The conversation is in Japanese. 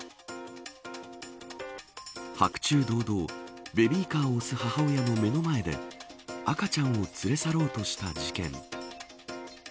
白昼堂々、ベビーカーを押す母親の目の前で赤ちゃんを連れ去ろうとした事件。